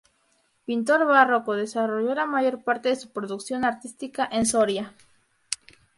Pintor barroco, desarrolló la mayor parte de su producción artística en Soria.